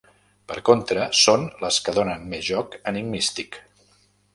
Per contra, són les que donen més joc enigmístic.